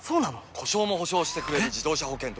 故障も補償してくれる自動車保険といえば？